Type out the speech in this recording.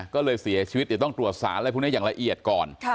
ก็เลยเสียชีวิตเดี๋ยวต้องตรวจสารอะไรพวกนี้อย่างละเอียดก่อน